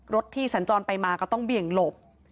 ที่สัญจรไปมาก็ต้องเบี่ยงหลบ